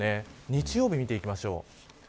日曜日、見ていきましょう。